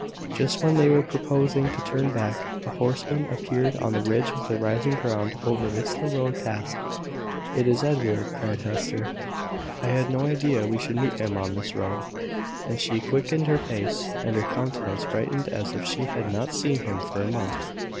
Just when they were proposing to turn back, a horseman appeared on the ridge of the rising ground, over which the road passed. "It is Edward!" cried Hester. "I had no idea we should meet him on this road." And she quickened her pace, and her countenance brightened as if she had not seen him for a month.